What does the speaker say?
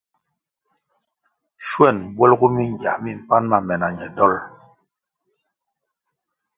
Schwen bwelgu mingya mi mpan ma me na ñe dol.